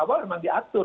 awal memang diatur